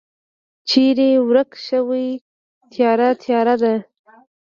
چیری ورک شوی تیاره، تیاره ده